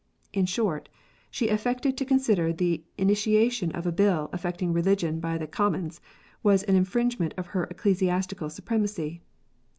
In short, she affected to consider the initiation of a Bill affecting religion by the Commons, was an infringement of her ecclesiastical supremacy